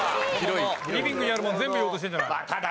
リビングにあるもの全部言おうとしてるんじゃない？